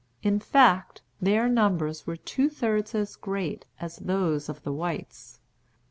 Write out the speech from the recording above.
In fact, their numbers were two thirds as great as those of the whites.